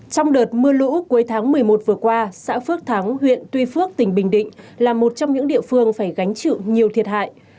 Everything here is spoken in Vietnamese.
trong đợt mưa lũ cuối tháng một mươi một vừa qua xã phước thắng huyện tuy phước tỉnh bình định là một trong những địa phương phải gánh chịu nhiều thiệt hại